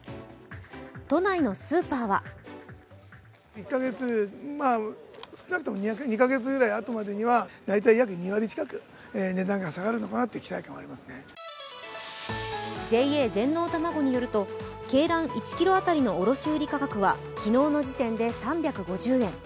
都内のスーパーはＪＡ全農たまごによると鶏卵１ｋｇ当たりの卸売価格は、昨日の時点で３５０円。